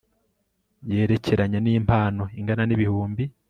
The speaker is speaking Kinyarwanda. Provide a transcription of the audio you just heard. yerekeranye n impano ingana n ibihumbi